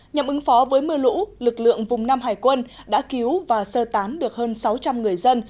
nhằm ứng phó với mưa lũ lực lượng vùng năm hải quân đã cứu và sơ tán được hơn sáu trăm linh người dân